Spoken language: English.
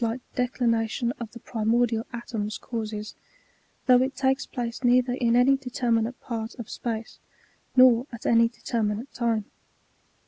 65 cumstance thes^ght declination of the primordial atoms causes, though it takes place neither in any determinate part of space, nor at any determinate time.